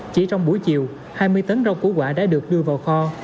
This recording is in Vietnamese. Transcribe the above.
chỉ trong buổi chiều hai mươi tấn rau củ quả đã được đưa vào kho